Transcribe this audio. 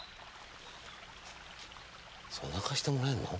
そんな貸してもらえんの？